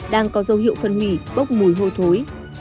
đang có dấu hiệu phân hủy bốc mùi hôi thối